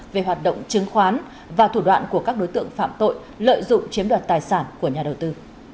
về hoạt động chứng khoán và thủ đoạn của các đối tượng phạm tội lợi dụng chiếm đoạt tài sản của nhà đầu tư